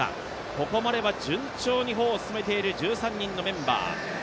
ここまでは順調に歩を進めている１３人のメンバー。